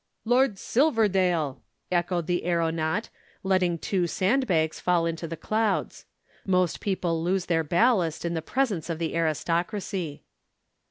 "Lord Silverdale!" echoed the aeronaut, letting two sand bags fall into the clouds. Most people lose their ballast in the presence of the aristocracy.